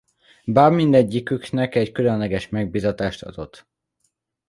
Báb mindegyiküknek egy különleges megbízatást adott.